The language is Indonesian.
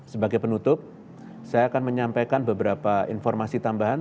sebagai penutup saya akan menyampaikan beberapa informasi tambahan